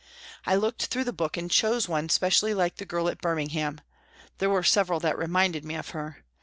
I looked through the book to choose one specially like the girl at Birmingham ; there were several that reminded me of her.